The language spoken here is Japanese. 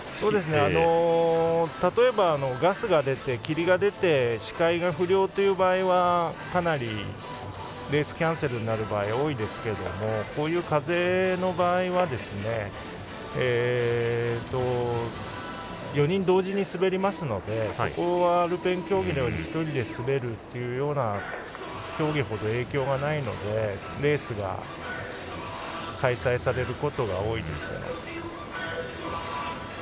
例えばガスが出て霧が出て視界が不良という場合はかなりレースキャンセルになる場合多いですけどもこういう風の場合は４人同時に滑りますのでそこはアルペン競技のように１人で滑るというような競技ほど影響がないのでレースが開催されることが多いですね。